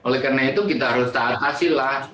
oleh karena itu kita harus tak atasi lah